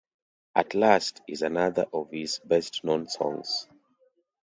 "At Last" is another of his best-known songs.